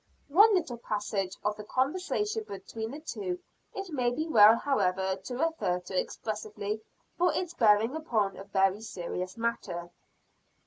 One little passage of the conversation between the two it may be well however to refer to expressly for its bearing upon a very serious matter.